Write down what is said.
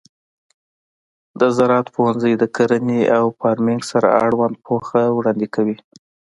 د زراعت پوهنځی د کرنې او فارمینګ سره اړوند پوهه وړاندې کوي.